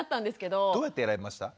どうやって選びました？